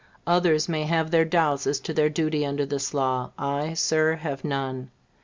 Others may have their doubts as to their duty under this law; I, Sir, have none.